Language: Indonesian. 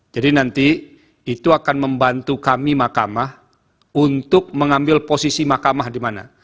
nanti itu akan membantu kami mahkamah untuk mengambil posisi mahkamah di mana